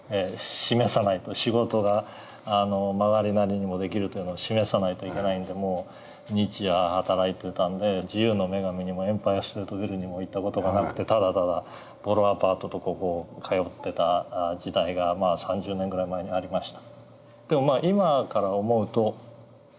示さないと仕事が曲がりなりにもできるというのを示さないといけないんでもう日夜働いてたんで自由の女神にもエンパイア・ステート・ビルにも行った事がなくてただただボロアパートとここを通ってた時代が３０年ぐらい前にありました。